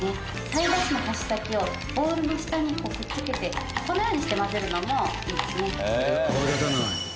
菜箸の箸先をボウルの下にくっつけてこのようにして混ぜるのもいいですね。